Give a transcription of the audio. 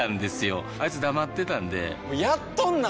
あいつ黙ってたんでやっとんなー！